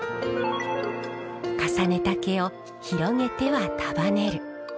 重ねた毛を広げては束ねる。